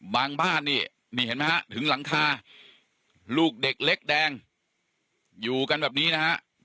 บ้านนี่นี่เห็นไหมฮะถึงหลังคาลูกเด็กเล็กแดงอยู่กันแบบนี้นะฮะ